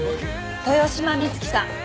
豊島美月さん